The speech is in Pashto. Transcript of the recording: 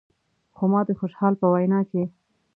خو ما د خوشحال په وینا کې.